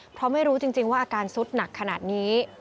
เพราะไม่รู้จริงว่าอาการสุดหนักขนาดนี้